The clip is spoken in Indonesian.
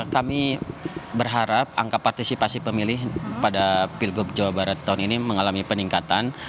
kami berharap angka partisipasi pemilih pada pilgub jawa barat tahun ini mengalami peningkatan